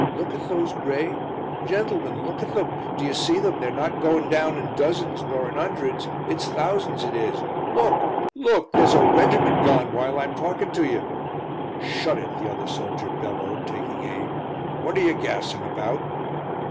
Look at those grey... gentlemen, look at them! D'ye see them? They're not going down in dozens, nor in 'undreds; it's thousands, it is. Look! look! there's a regiment gone while I'm talking to ye." "Shut it!" the other soldier bellowed, taking aim, "what are ye gassing about!"